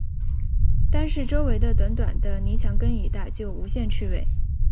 单是周围的短短的泥墙根一带，就有无限趣味